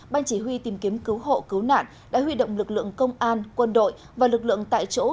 ban chỉ huy tìm kiếm cứu hộ cứu nạn đã huy động lực lượng công an quân đội và lực lượng tại chỗ